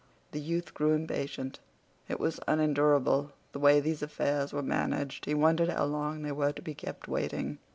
The youth grew impatient. It was unendurable the way these affairs were managed. He wondered how long they were to be kept waiting.